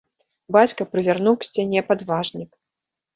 Бацька прывярнуў к сцяне падважнік.